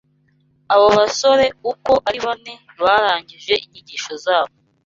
Abo basore uko ari bane barangije inyigisho zabo